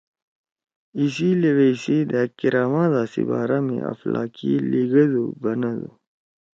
ایِسی لیویئی سی دھأک کرامت دا سی بارا می افلاکی لیِگَدُو بنَدُو!